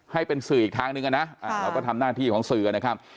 ให้เป็นสื่ออีกทางหนึ่งนะเราก็ทำหน้าที่ของสื่อนะครับ